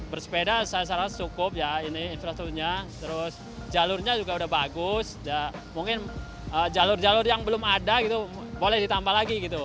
bersepeda secara secukup ya ini infrasturnya terus jalurnya juga udah bagus mungkin jalur jalur yang belum ada boleh ditambah lagi gitu